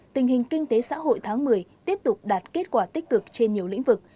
tình hình kinh tế xã hội tháng một mươi tiếp tục đạt kết quả tích cực trên nhiều lĩnh vực